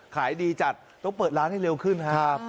ขายดีจัดต้องเปิดร้านให้เร็วขึ้นครับ